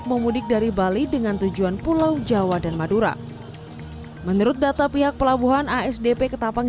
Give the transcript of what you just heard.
memudik dari bali dengan tujuan pulau jawa dan madura menurut data pihak pelabuhan asdp ketapang